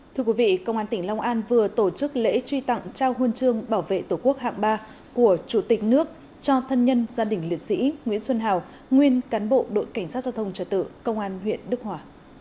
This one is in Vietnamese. thưa quý vị công an tỉnh long an vừa tổ chức lễ truy tặng trao huân chương bảo vệ tổ quốc hạng ba của chủ tịch nước cho thân nhân gia đình liệt sĩ nguyễn xuân hào nguyên cán bộ đội cảnh sát giao thông trở tự công an huyện đức hòa